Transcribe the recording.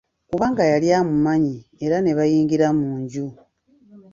Kubanga yali amumanyi era ne bayingira mu nju.